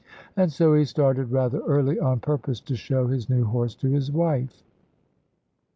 And so he started rather early, on purpose to show his new horse to his wife.